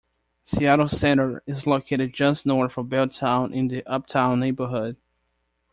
Seattle Center is located just north of Belltown in the Uptown neighborhood.